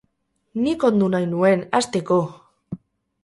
Nik ondu nahi nuen, hasteko!